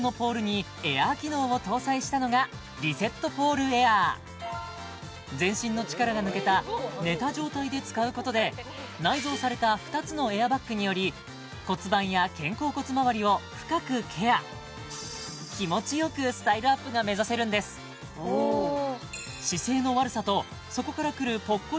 したのがリセットポールエアー全身の力が抜けた寝た状態で使うことで内蔵された２つのエアバッグにより骨盤や肩甲骨まわりを深くケア気持ちよくスタイルアップが目指せるんです姿勢の悪さとそこからくるぽっこり